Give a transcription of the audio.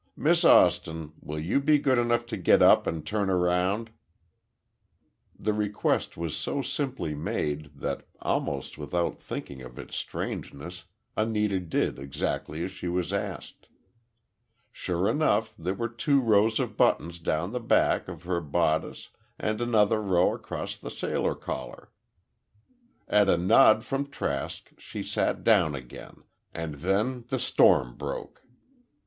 Miss Austin, will you be good enough to get up and turn around?" The request was so simply made, that, almost without thinking of its strangeness, Anita did exactly as she was asked. Sure enough, there were two rows of buttons down the back of her bodice, and another row across the sailor collar. At a nod from Trask she sat down again, and then the storm broke.